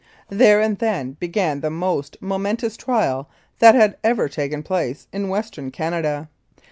There and then began the most momentous trial that had ever taken place in Western Canada.